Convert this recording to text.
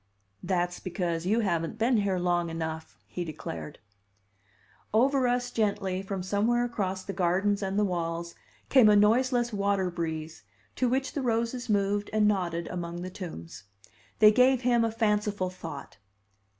"That's because you haven't been here long enough," he declared. Over us, gently, from somewhere across the gardens and the walls, came a noiseless water breeze, to which the roses moved and nodded among the tombs. They gave him a fanciful thought.